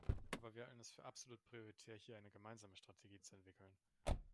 Aber wir halten es für absolut prioritär, hier eine gemeinsame Strategie zu entwickeln.